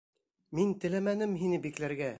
Мин теләмәнем һине бикләргә!